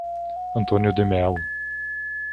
Antônio de Melo